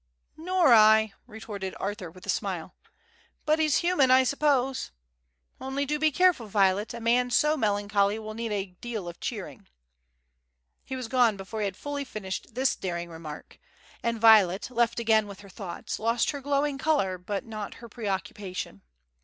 "Nor I, " retorted Arthur with a smile. "But he's human, I suppose. Only do be careful, Violet. A man so melancholy will need a deal of cheering." He was gone before he had fully finished this daring remark, and Violet, left again with her thoughts, lost her glowing colour but not her preoccupation.